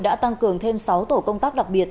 đã tăng cường thêm sáu tổ công tác đặc biệt